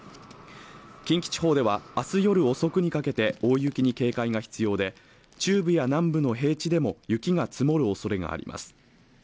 近畿地方では明日夜遅くにかけて大雪に警戒が必要で中部や南部の平地でも雪が積もるおそれがあります。